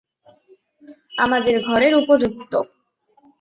আপনাদেরই ঘরের উপযুক্ত।